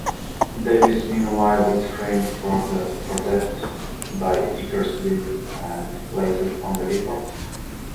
Davis, meanwhile, is framed for theft by Eckersley and placed on report.